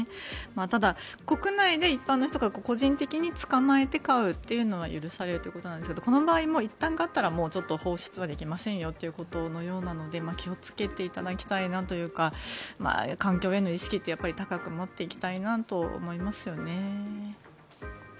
ただ、国内で一般の人が個人的につかまえて飼うというのは許されるということなんですがこの場合も、いったん飼ったら放出はできませんよということのようなので気をつけていただきたいというか環境への意識って高く持っていきたいなと思いますよね。